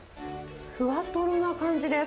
ふわとろな感じです。